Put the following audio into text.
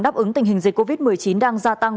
đáp ứng tình hình dịch covid một mươi chín đang gia tăng